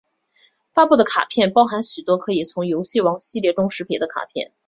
发布的卡片包含许多可以从游戏王系列中识别的卡片！